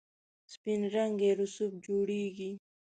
سپین رنګی رسوب جوړیږي.